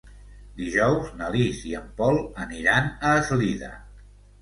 Dijous na Lis i en Pol aniran a Eslida.